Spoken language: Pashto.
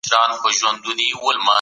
طبیعي پیښو ځپلو سره بیړنۍ مرستي کیدلې.